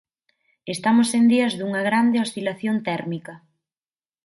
Estamos en días dunha grande oscilación térmica.